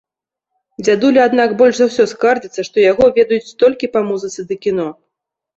Дзядуля, аднак, больш за ўсё скардзіцца, што яго ведаюць толькі па музыцы да кіно.